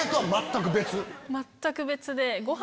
全く別で。